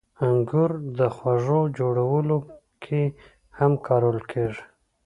• انګور د خوږو جوړولو کې هم کارول کېږي.